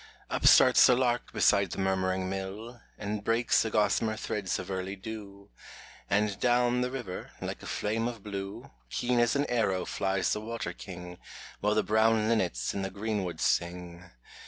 Up starts the lark beside the murmuring mill, And breaks the gossamer threads of early dew; And down the river, like a flame of blue, Keen as an arrow flies the water king, While the brown linnets in the greenwood sing.